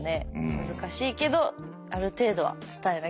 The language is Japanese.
難しいけどある程度は伝えなきゃいけない。